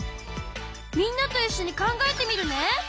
みんなといっしょに考えてみるね！